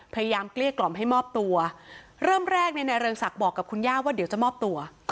เกลี้ยกล่อมให้มอบตัวเริ่มแรกเนี่ยนายเรืองศักดิ์บอกกับคุณย่าว่าเดี๋ยวจะมอบตัว